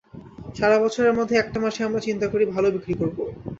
সারা বছরের মধ্যে একটা মাসই আমরা চিন্তা করি ভালো বিক্রি করব।